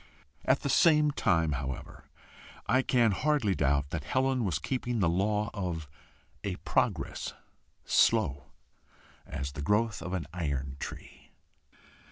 At the same time, however, I can hardly doubt that Helen was keeping the law of a progress slow as the growth of an iron tree.